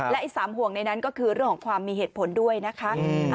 และอีก๓ห่วงในนั้นก็คือเรื่องของความมีเหตุผลด้วยนะคะ